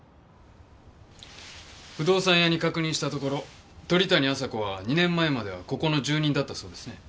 不動産屋に確認したところ鳥谷亜沙子は２年前まではここの住人だったそうですね。